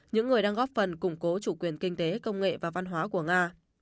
những người đang góp phần củng cố chủ quyền kinh tế công nghệ và văn hóa của nga